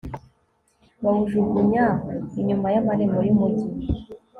bawujugunya inyuma y'amarembo y'umugi